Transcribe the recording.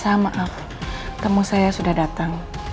saya maaf temu saya sudah datang